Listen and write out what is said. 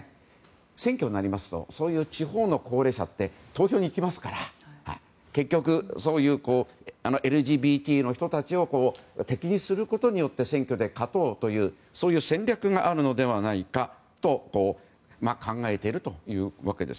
選挙になりますとそういう地方の高齢者が投票に行きますから結局、ＬＧＢＴの人たちを敵にすることによって選挙で勝とうという戦略があるのではないかと考えているというわけです。